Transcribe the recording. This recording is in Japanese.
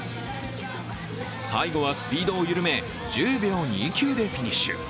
最後はスピードを緩め、１０秒２９でフィニッシュ。